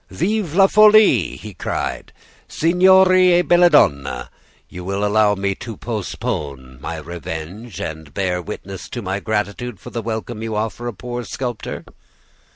"'Vive la folie!' he cried. 'Signori e belle donne, you will allow me to postpone my revenge and bear witness to my gratitude for the welcome you offer a poor sculptor.